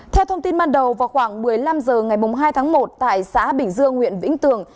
theo thông tin ban đầu vào khoảng một mươi năm h ngày hai tháng một tại xã bình dương huyện vĩnh tường